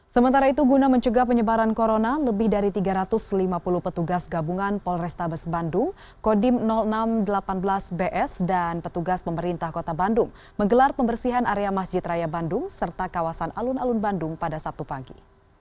sementara itu guna mencegah penyebaran corona lebih dari tiga ratus lima puluh petugas gabungan polrestabes bandung kodim enam ratus delapan belas bs dan petugas pemerintah kota bandung menggelar pembersihan area masjid raya bandung serta kawasan alun alun bandung pada sabtu pagi